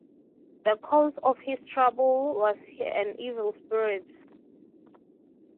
The cause of his trouble was an evil spirit.